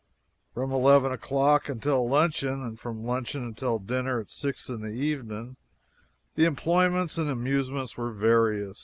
From eleven o'clock until luncheon, and from luncheon until dinner at six in the evening, the employments and amusements were various.